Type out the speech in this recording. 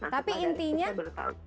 nah itu saya baru tahu